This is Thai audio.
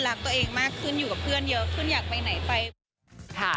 รักตัวเองมากขึ้นอยู่กับเพื่อนเยอะขึ้นอยากไปไหนไปบ้างค่ะ